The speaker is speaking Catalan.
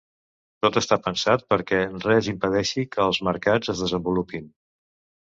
Tot està pensat perquè res impedeixi que els mercats es desenvolupin.